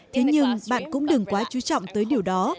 thế nhưng bạn cũng đừng quá chú trọng tới điều đó